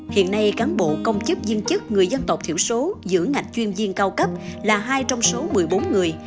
hiện nay cán bộ công chức viên chức người dân tộc thiểu số giữa ngạch chuyên viên cao cấp là hai trong số một mươi bốn người